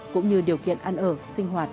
cũng như điều kiện ăn ở sinh hoạt